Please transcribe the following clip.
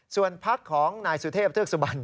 ส่วนพักของนายสุเทพธัปร์ซูบัญ